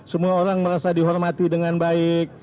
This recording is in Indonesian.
semua orang merasa dihormati dengan baik